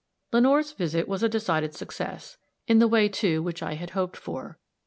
Lenore's visit was a decided success in the way, too, which I had hoped for.